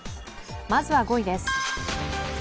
まずは５位です。